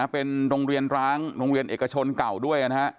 เป็นโรงเรียนร้างโรงเรียนเอกชนเก่าด้วยนะฮะ